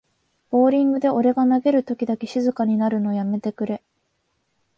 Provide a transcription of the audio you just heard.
ボーリングで俺が投げるときだけ静かになるのやめてくれ